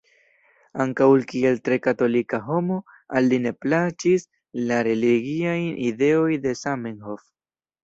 Ankaŭ kiel tre katolika homo, al li ne plaĉis la religiaj ideoj de Zamenhof.